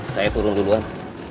saya turun duluan